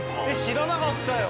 知らなかったよ。